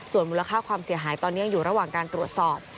ส่วนมูลค่าความเสียหายตอนนี้ยังอยู่ระหว่างการตรวจสอบ